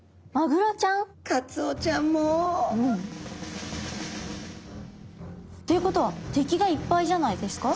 カツオちゃんも。ということは敵がいっぱいじゃないですか？